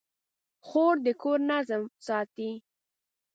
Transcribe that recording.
خور د کور نظم ساتي.